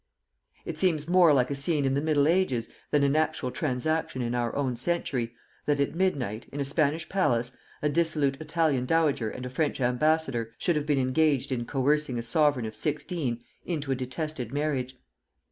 It seems more like a scene in the Middle Ages than an actual transaction in our own century, that at midnight, in a Spanish palace, a dissolute Italian dowager and a French ambassador should have been engaged in coercing a sovereign of sixteen into a detested marriage.